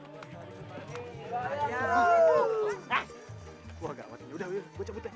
wah gak apa apa ini udah gue cabut ya